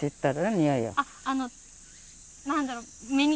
臭いをあっあの何だろう